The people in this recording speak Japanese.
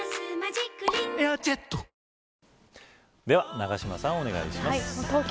では永島さんお願いします。